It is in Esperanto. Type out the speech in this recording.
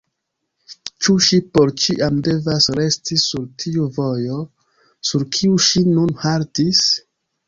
Ĉu ŝi por ĉiam devas resti sur tiu vojo, sur kiu ŝi nun haltis?